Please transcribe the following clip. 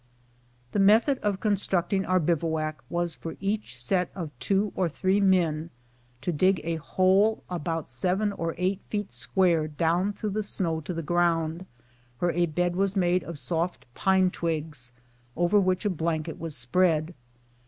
The method of constructing our bivouac was ft)r each set of two or three men to dig a hole about seven or eight feet square down through the snow to the ground, where a bed was made of soft pine twigs, over which a blanket was spread.